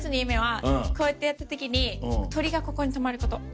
こうやってやった時に鳥がここに止まること。